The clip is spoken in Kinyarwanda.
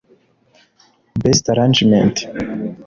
Best Arrangement